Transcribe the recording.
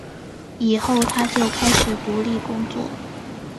以后他就开始独立工作。